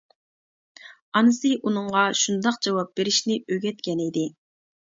ئانىسى ئۇنىڭغا شۇنداق جاۋاب بېرىشنى ئۆگەتكەن ئىدى.